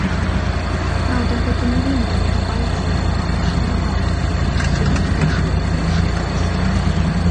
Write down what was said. Праўда, гэта не вельмі падабаецца яго малодшаму брату, які сёлета пайшоў у першы клас.